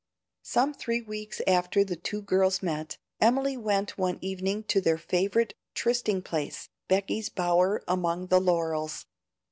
Some three weeks after the two girls met, Emily went one evening to their favorite trysting place, Becky's bower among the laurels.